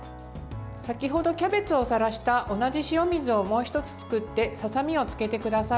先程、キャベツをさらした同じ塩水をもう１つ作ってささみをつけてください。